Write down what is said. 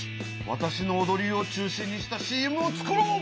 わたしのおどりを中心にしたＣＭを作ろう！